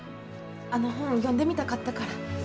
あの本読んでみたかったから。